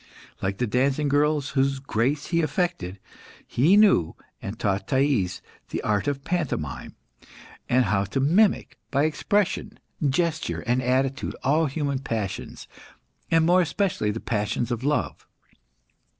Like the dancing girls whose grace he affected, he knew, and taught Thais, the art of pantomime, and how to mimic, by expression, gesture, and attitude, all human passions, and more especially the passions of love.